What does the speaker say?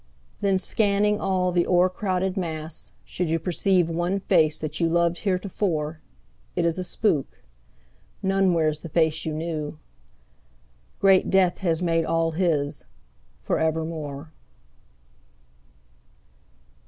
Then scanning all the o'ercrowded mass, should you Perceive one face that you loved heretofore, It is a spook. None wears the face you knew. Great death has made all his forevermore.